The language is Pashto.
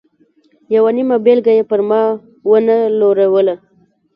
یوه نیمه بېلګه یې پر ما و نه لوروله.